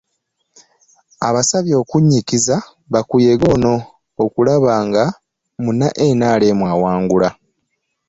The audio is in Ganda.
Abasabye okunnyikiza kakuyege ono okulaba nga munna NRM awangula.